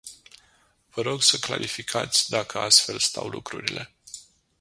Vă rog să clarificați dacă astfel stau lucrurile.